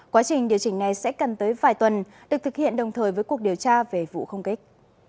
quá trình điều chỉnh này sẽ cần tới vài tuần được thực hiện đồng thời với cuộc điều tra về vụ không kích